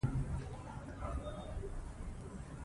دا ټول مالي ارزښت لري.